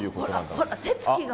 ほら手つきが！